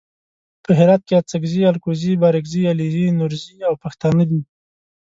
په هرات کې اڅګزي الکوزي بارګزي علیزي نورزي او پښتانه دي.